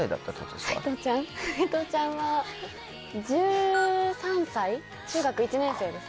齋藤ちゃんは１３歳中学１年生です。